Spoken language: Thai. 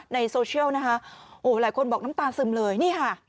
ในโซเชียลนะคะโอ้หลายคนบอกน้ำตาซึมเลยนี่ค่ะ